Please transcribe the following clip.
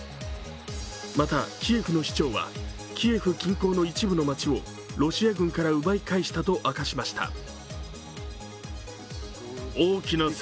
またキエフの市長は、キエフ近郊の一部の街をロシア軍から奪い返したと明かしました。